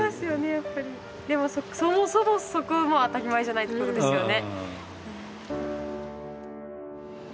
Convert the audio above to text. やっぱり。でもそもそもそこも当たり前じゃないってことですよね。